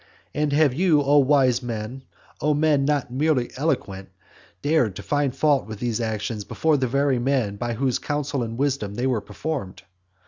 And have you, O wise man, O man not merely eloquent, dared to find fault with these actions before the very men by whose counsel and wisdom they were performed?